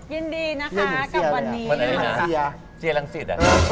ยินดีนะคะกับวันนี้